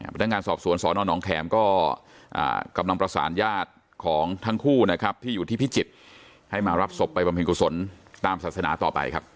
พนักงานสอบสวนสอนอนน้องแข็มก็กำลังประสานญาติของทั้งคู่นะครับที่อยู่ที่พิจิตรให้มารับศพไปบำเพ็ญกุศลตามศาสนาต่อไปครับ